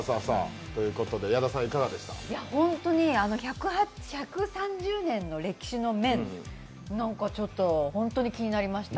本当に１３０年の歴史の麺、ちょっと本当に気になりました。